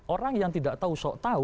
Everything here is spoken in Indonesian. orang yang tidak tahu sok tahu